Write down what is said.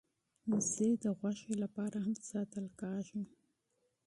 وزې د غوښې لپاره هم ساتل کېږي